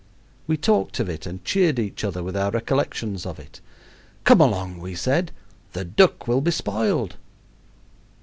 We talked of it and cheered each other with our recollections of it. "Come along," we said; "the duck will be spoiled."